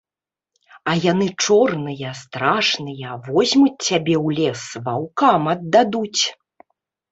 А яны чорныя, страшныя, возьмуць цябе ў лес, ваўкам аддадуць!